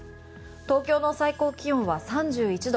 東京の最高気温は３１度。